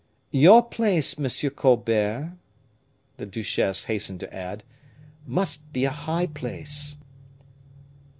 "Your place, M. Colbert," the duchesse hastened to say, "must be a high place.